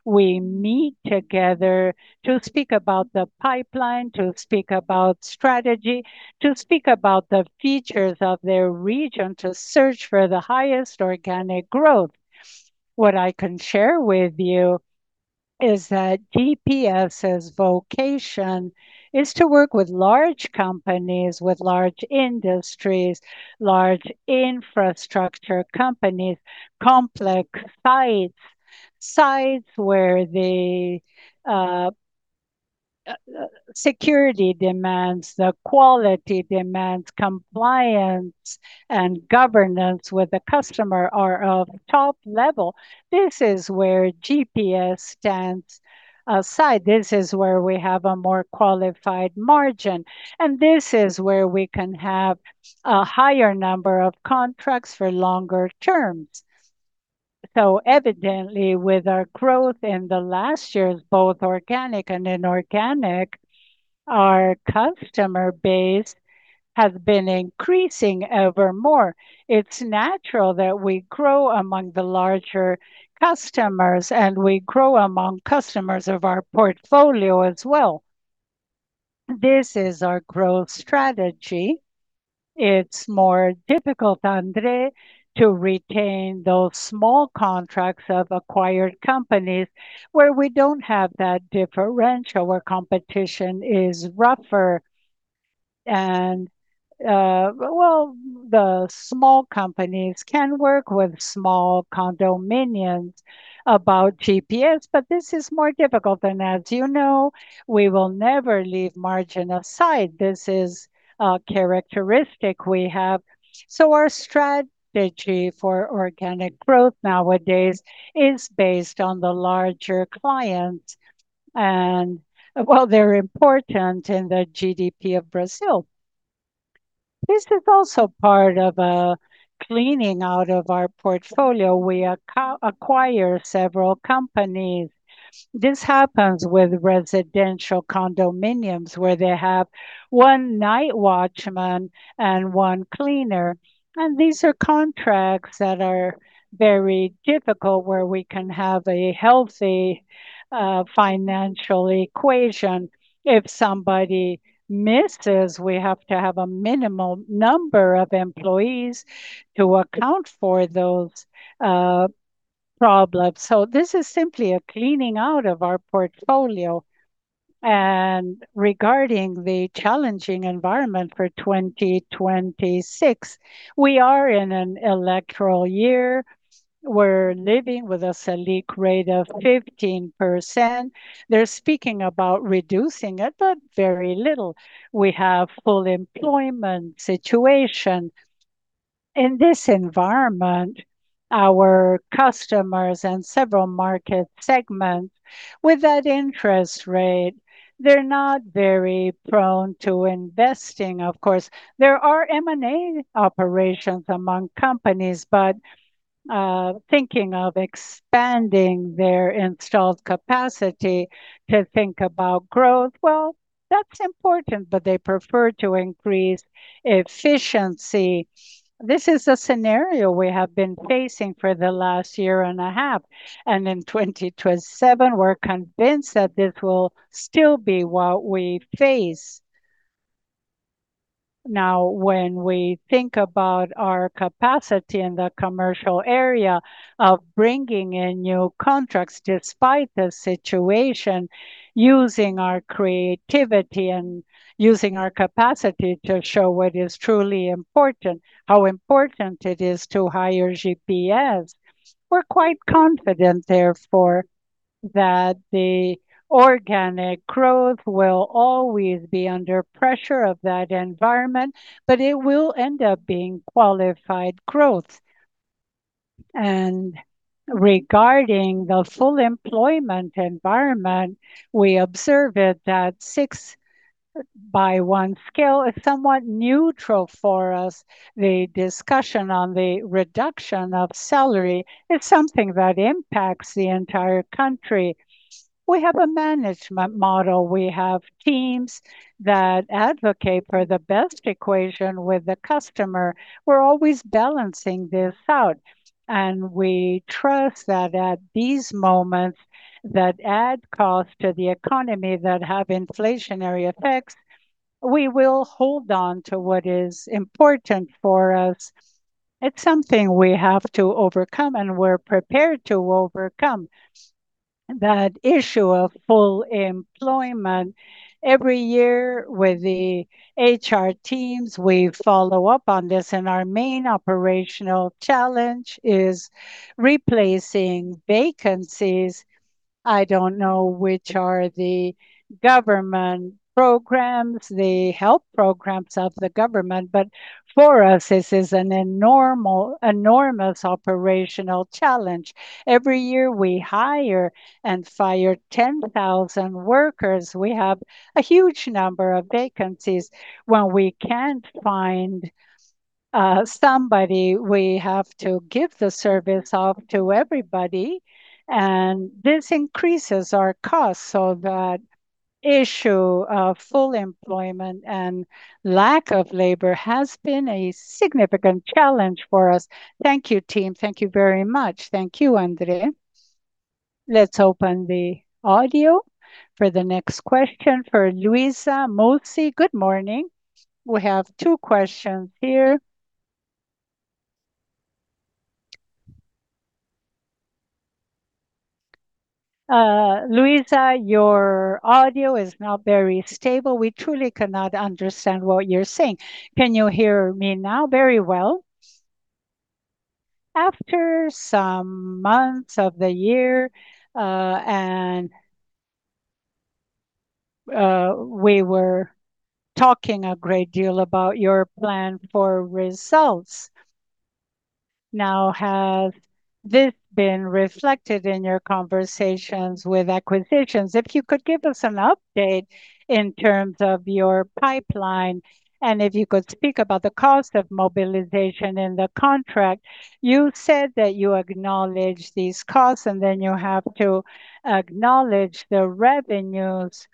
we meet together to speak about the pipeline, to speak about strategy, to speak about the features of their region, to search for the highest organic growth. What I can share with you is that GPS's vocation is to work with large companies, with large industries, large infrastructure companies, complex sites where the security demands, the quality demands, compliance and governance with the customer are of top level. This is where GPS stands aside. This is where we have a more qualified margin, and this is where we can have a higher number of contracts for longer terms. Evidently, with our growth in the last years, both organic and inorganic, our customer base has been increasing evermore. It's natural that we grow among the larger customers, and we grow among customers of our portfolio as well. This is our growth strategy. It's more difficult, Andre, to retain those small contracts of acquired companies where we don't have that differential, where competition is rougher. Well, the small companies can work with small condominiums about GPS, but this is more difficult. As you know, we will never leave margin aside. This is a characteristic we have. Our strategy for organic growth nowadays is based on the larger clients. Well, they're important in the GDP of Brazil. This is also part of a cleaning out of our portfolio. We acquire several companies. This happens with residential condominiums where they have one night watchman and one cleaner, and these are contracts that are very difficult where we can have a healthy financial equation. If somebody misses, we have to have a minimal number of employees to account for those problems. This is simply a cleaning out of our portfolio. Regarding the challenging environment for 2026, we are in an electoral year. We're living with a Selic rate of 15%. They're speaking about reducing it, but very little. We have full employment situation. In this environment, our customers and several market segments, with that interest rate, they're not very prone to investing. Of course, there are M&A operations among companies, but thinking of expanding their installed capacity to think about growth, well, that's important, but they prefer to increase efficiency. This is a scenario we have been facing for the last year and a half, and in 2027 we're convinced that this will still be what we face. Now, when we think about our capacity in the commercial area of bringing in new contracts despite the situation, using our creativity and using our capacity to show what is truly important, how important it is to hire GPS, we're quite confident, therefore, that the organic growth will always be under pressure of that environment, but it will end up being qualified growth. Regarding the full employment environment, we observe it that 6x1 scale is somewhat neutral for us. The discussion on the reduction of salary is something that impacts the entire country. We have a management model. We have teams that advocate for the best equation with the customer. We're always balancing this out, and we trust that at these moments that add cost to the economy that have inflationary effects, we will hold on to what is important for us. It's something we have to overcome. We're prepared to overcome that issue of full employment. Every year with the HR teams, we follow up on this. Our main operational challenge is replacing vacancies. I don't know which are the government programs, the health programs of the government. For us, this is an enormous operational challenge. Every year, we hire and fire 10,000 workers. We have a huge number of vacancies. When we can't find somebody, we have to give the service off to everybody. This increases our costs. That issue of full employment and lack of labor has been a significant challenge for us. Thank you, team. Thank you very much. Thank you, Andre. Let's open the audio for the next question for Luiza Mussi. Good morning. We have two questions here. Luiza, your audio is not very stable. We truly cannot understand what you're saying. Can you hear me now very well? After some months of the year, we were talking a great deal about your plan for results. Has this been reflected in your conversations with acquisitions? If you could give us an update in terms of your pipeline and if you could speak about the cost of mobilization in the contract. You said that you acknowledge these costs, then you have to acknowledge the revenues.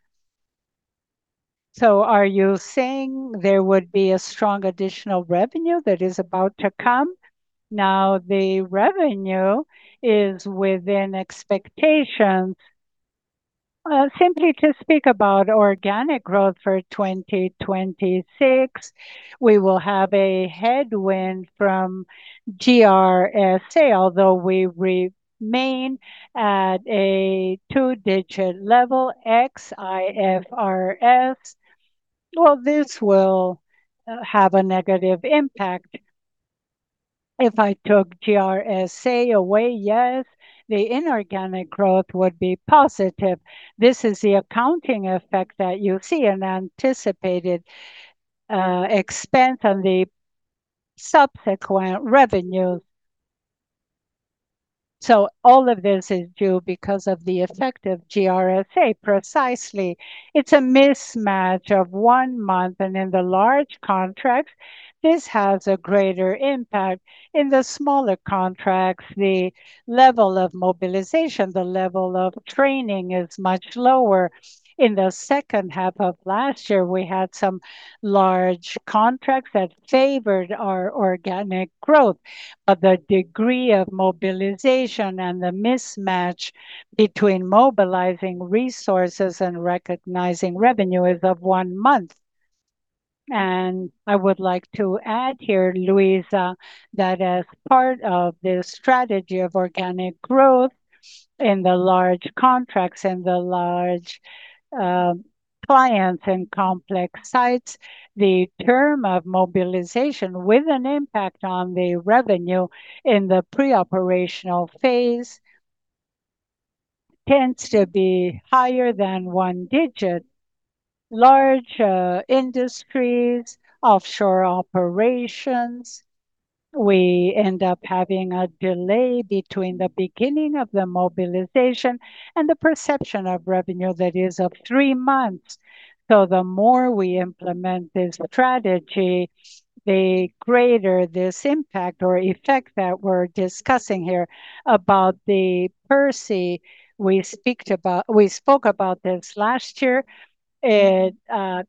Are you saying there would be a strong additional revenue that is about to come? The revenue is within expectations. Simply to speak about organic growth for 2026, we will have a headwind from GRSA, although we remain at a two-digit level ex IFRS. Well, this will have a negative impact. If I took GRSA away, yes, the inorganic growth would be positive. This is the accounting effect that you see an anticipated expense on the subsequent revenues. All of this is due because of the effect of GRSA precisely. It's a mismatch of one month. In the large contracts, this has a greater impact. In the smaller contracts, the level of mobilization, the level of training is much lower. In the second half of last year, we had some large contracts that favored our organic growth. The degree of mobilization and the mismatch between mobilizing resources and recognizing revenue is of one month. I would like to add here, Luiza, that as part of this strategy of organic growth in the large contracts and the large clients and complex sites, the term of mobilization with an impact on the revenue in the pre-operational phase tends to be higher than one digit. Large industries, offshore operations, we end up having a delay between the beginning of the mobilization and the perception of revenue that is of three months. The more we implement this strategy, the greater this impact or effect that we're discussing here. About the PERSE, we spoke about this last year. It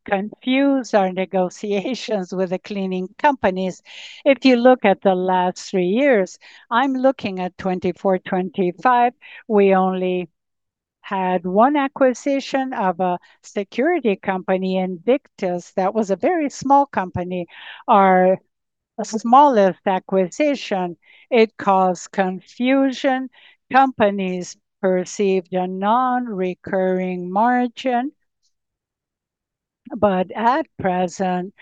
confused our negotiations with the cleaning companies. If you look at the last three years, I'm looking at 2024, 2025. We only had one acquisition of a security company Invictus that was a very small company. Our smallest acquisition, it caused confusion. Companies perceived a non-recurring margin. At present,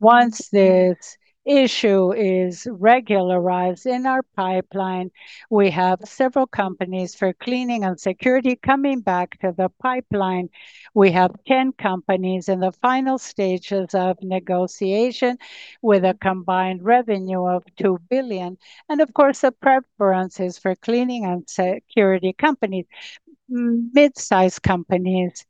once this issue is regularized in our pipeline, we have several companies for cleaning and security coming back to the pipeline. We have 10 companies in the final stages of negotiation with a combined revenue of 2 billion. Of course, the preference is for cleaning and security companies, mid-size companies.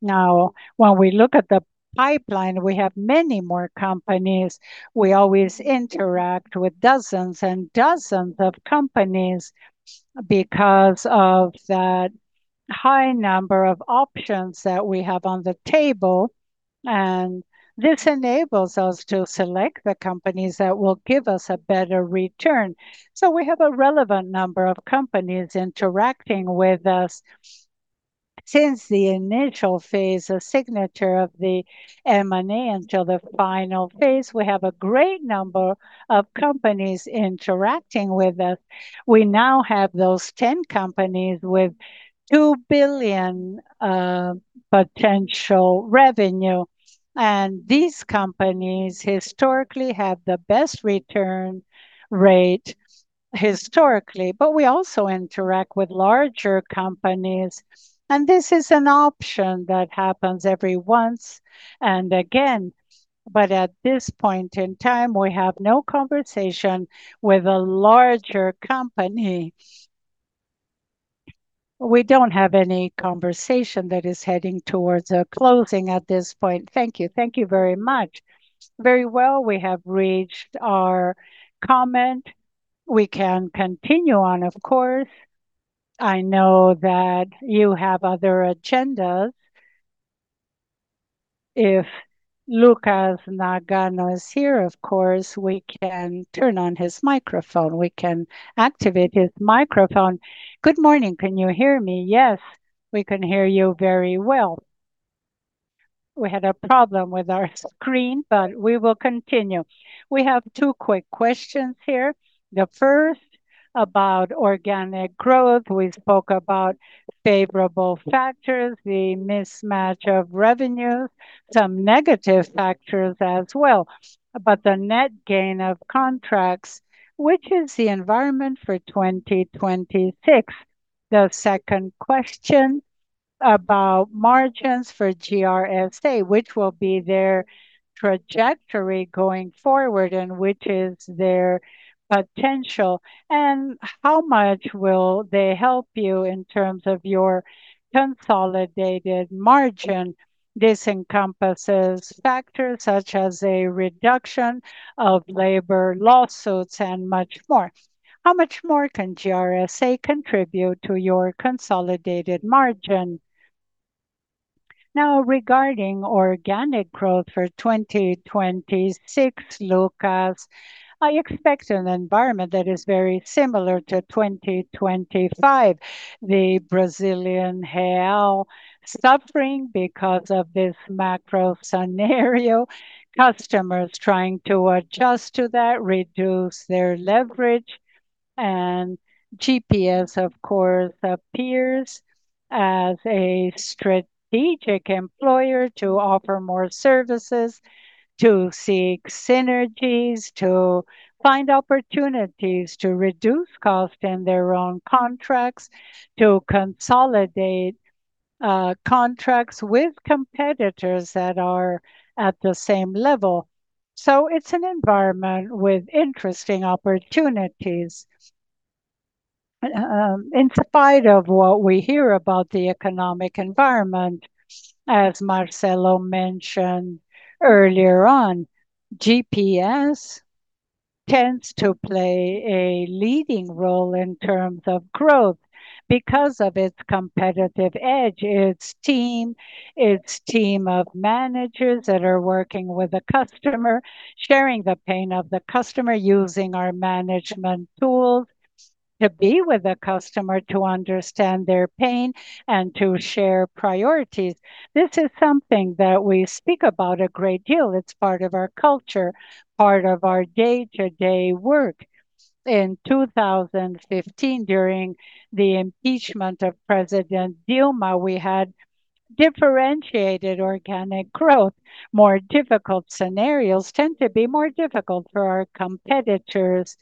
When we look at the pipeline, we have many more companies. We always interact with dozens and dozens of companies because of that high number of options that we have on the table, and this enables us to select the companies that will give us a better return. We have a relevant number of companies interacting with us. Since the initial phase of signature of the M&A until the final phase, we have a great number of companies interacting with us. We now have those 10 companies with 2 billion potential revenue. These companies historically have the best return rate historically. We also interact with larger companies, and this is an option that happens every once and again. At this point in time, we have no conversation with a larger company. We don't have any conversation that is heading towards a closing at this point. Thank you. Thank you very much. Very well. We have reached our comment. We can continue on, of course. I know that you have other agendas. If Lucas Nagano is here, of course, we can turn on his microphone. We can activate his microphone. Good morning. Can you hear me? Yes. We can hear you very well. We had a problem with our screen, but we will continue. We have two quick questions here. The first about organic growth. We spoke about favorable factors, the mismatch of revenues, some negative factors as well. The net gain of contracts, which is the environment for 2026. The second question about margins for GRSA, which will be their trajectory going forward and which is their potential, and how much will they help you in terms of your consolidated margin. This encompasses factors such as a reduction of labor lawsuits and much more. How much more can GRSA contribute to your consolidated margin? Regarding organic growth for 2026, Lucas, I expect an environment that is very similar to 2025. The Brazilian real suffering because of this macro scenario, customers trying to adjust to that, reduce their leverage. GPS, of course, appears as a strategic employer to offer more services, to seek synergies, to find opportunities to reduce cost in their own contracts, to consolidate contracts with competitors that are at the same level. It's an environment with interesting opportunities. In spite of what we hear about the economic environment, as Marcelo mentioned earlier on, GPS tends to play a leading role in terms of growth because of its competitive edge. Its team of managers that are working with the customer, sharing the pain of the customer, using our management tools to be with the customer to understand their pain and to share priorities. This is something that we speak about a great deal. It's part of our culture, part of our day-to-day work. In 2015, during the impeachment of President Dilma, we had differentiated organic growth. More difficult scenarios tend to be more difficult for our competitors.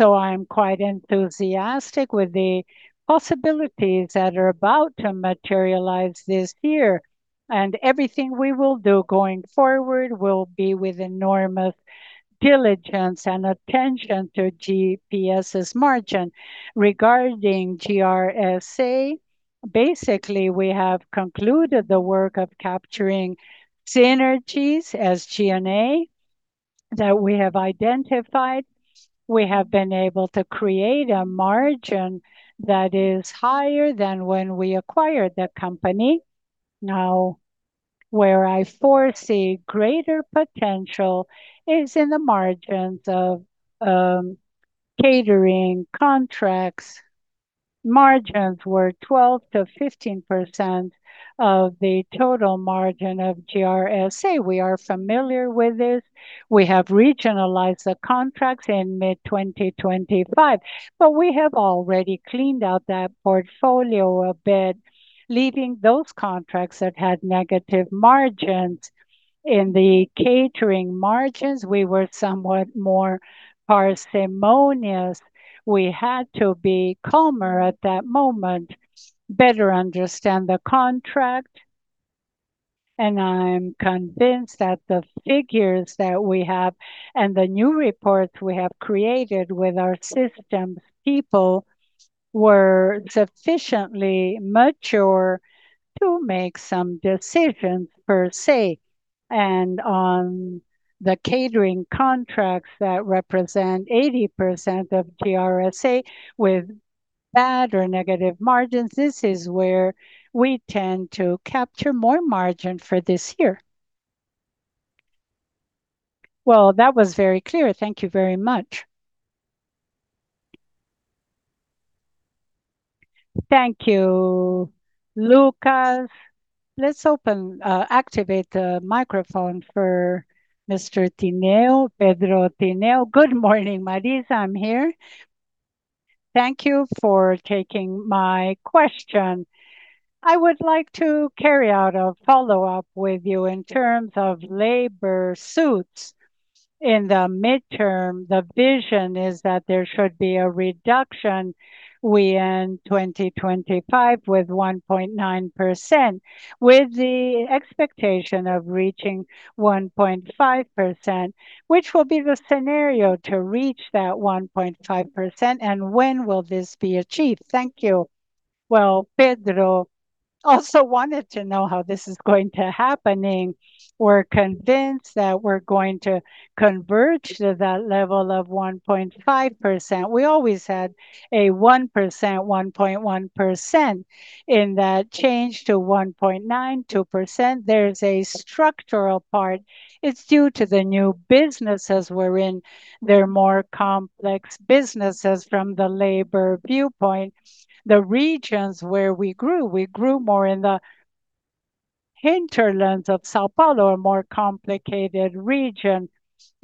I'm quite enthusiastic with the possibilities that are about to materialize this year. Everything we will do going forward will be with enormous diligence and attention to GPS's margin. Regarding GRSA, basically we have concluded the work of capturing synergies as G&A that we have identified. We have been able to create a margin that is higher than when we acquired the company. Where I foresee greater potential is in the margins of catering contracts. Margins were 12%-15% of the total margin of GRSA. We are familiar with this. We have regionalized the contracts in mid-2025. We have already cleaned out that portfolio a bit, leaving those contracts that had negative margins. In the catering margins, we were somewhat more parsimonious. We had to be calmer at that moment, better understand the contract. I'm convinced that the figures that we have and the new reports we have created with our systems people were sufficiently mature to make some decisions per se. On the catering contracts that represent 80% of GRSA with bad or negative margins, this is where we tend to capture more margin for this year. Well, that was very clear. Thank you very much. Thank you, Lucas. Let's open, activate the microphone for Mr. Tineo, Pedro Tineo. Good morning, Marita. I'm here. Thank you for taking my question. I would like to carry out a follow-up with you in terms of labor suits. In the midterm, the vision is that there should be a reduction. We end 2025 with 1.9%, with the expectation of reaching 1.5%. Which will be the scenario to reach that 1.5%, and when will this be achieved? Thank you. Well, Pedro also wanted to know how this is going to happening. We're convinced that we're going to converge to that level of 1.5%. We always had a 1%, 1.1%. That change to 1.9%, 2%, there's a structural part. It's due to the new businesses we're in. They're more complex businesses from the labor viewpoint. The regions where we grew, we grew more in the hinterlands of São Paulo, a more complicated region.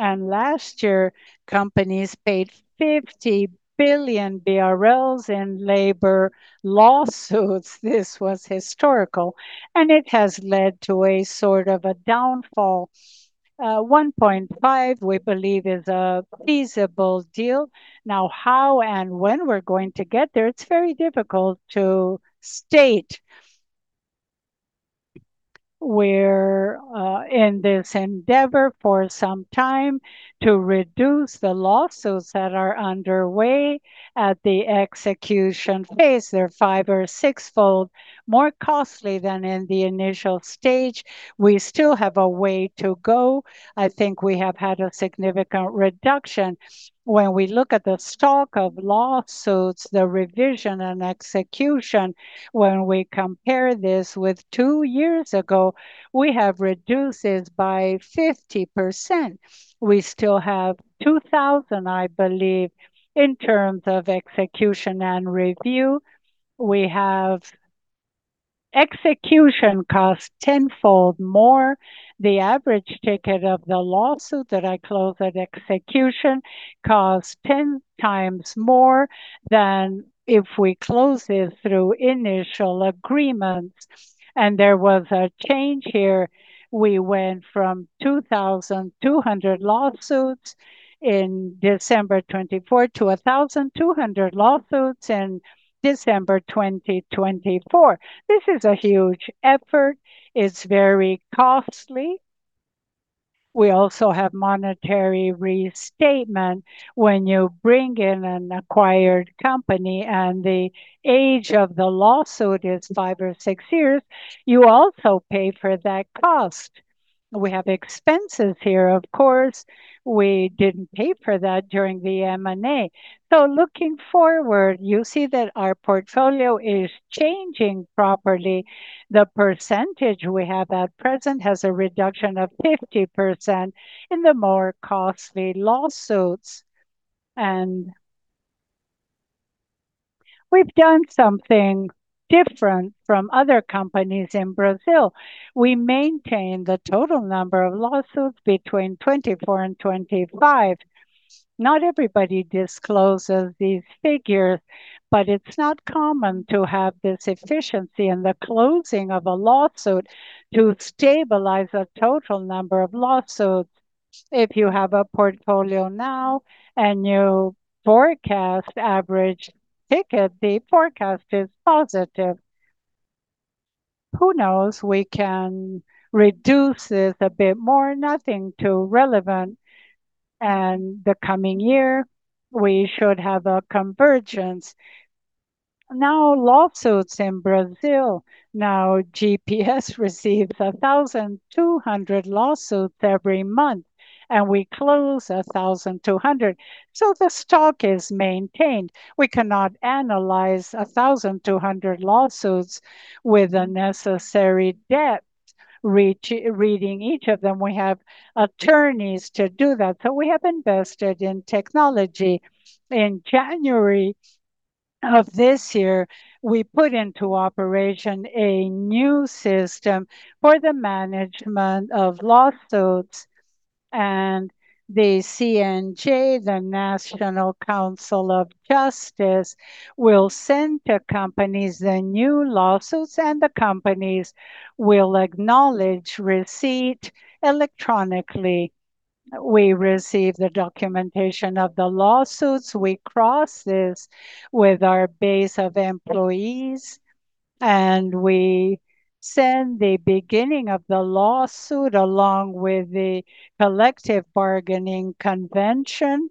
Last year, companies paid 50 billion BRL in labor lawsuits. This was historical, it has led to a sort of a downfall. 1.5%, we believe, is a feasible deal. Now, how and when we're going to get there, it's very difficult to state. We're in this endeavor for some time to reduce the lawsuits that are underway at the execution phase. They're five or six-fold more costly than in the initial stage. We still have a way to go. I think we have had a significant reduction. When we look at the stock of lawsuits, the revision and execution, when we compare this with two years ago, we have reduced this by 50%. We still have 2,000, I believe, in terms of execution and review. Execution costs 10-fold more. The average ticket of the lawsuit that I close at execution costs 10x more than if we close it through initial agreements. There was a change here. We went from 2,200 lawsuits in December 2024 to 1,200 lawsuits in December 2024. This is a huge effort. It's very costly. We also have monetary reinstatement when you bring in an acquired company, and the age of the lawsuit is five or six years, you also pay for that cost. We have expenses here, of course. We didn't pay for that during the M&A. Looking forward, you see that our portfolio is changing properly. The percentage we have at present has a reduction of 50% in the more costly lawsuits. We've done something different from other companies in Brazil. We maintained the total number of lawsuits between 2024 and 2025. Not everybody discloses these figures, it's not common to have this efficiency in the closing of a lawsuit to stabilize the total number of lawsuits. If you have a portfolio now and you forecast average ticket, the forecast is positive. Who knows, we can reduce it a bit more. Nothing too relevant. The coming year, we should have a convergence. Lawsuits in Brazil. GPS receives 1,200 lawsuits every month, and we close 1,200, so the stock is maintained. We cannot analyze 1,200 lawsuits with the necessary depth reading each of them. We have attorneys to do that. We have invested in technology. In January of this year, we put into operation a new system for the management of lawsuits. The CNJ, the National Council of Justice, will send to companies the new lawsuits. The companies will acknowledge receipt electronically. We receive the documentation of the lawsuits. We cross this with our base of employees. We send the beginning of the lawsuit along with the collective bargaining convention.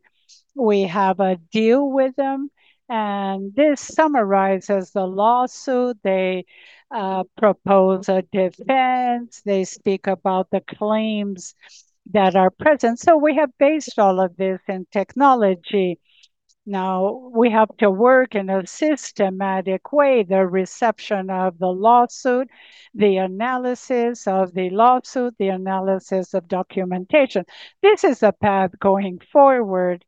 We have a deal with them. This summarizes the lawsuit. They propose a defense. They speak about the claims that are present. We have based all of this in technology. Now, we have to work in a systematic way, the reception of the lawsuit, the analysis of the lawsuit, the analysis of documentation. This is a path going forward.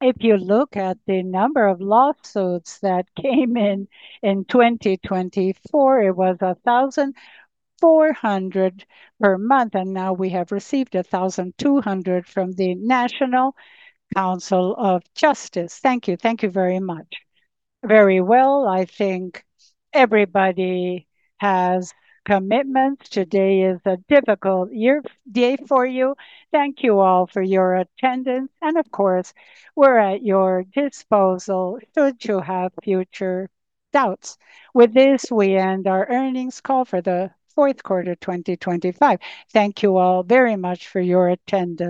If you look at the number of lawsuits that came in in 2024, it was 1,400 per month, and now we have received 1,200 from the National Council of Justice. Thank you. Thank you very much. Very well. I think everybody has commitments. Today is a difficult day for you. Thank you all for your attendance. Of course, we're at your disposal should you have future doubts. With this, we end our earnings call for the fourth quarter 2025. Thank you all very much for your attendance.